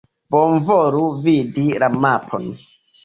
Bonvolu vidi la mapon.